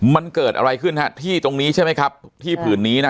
มันเกิดอะไรขึ้นฮะที่ตรงนี้ใช่ไหมครับที่ผืนนี้นะ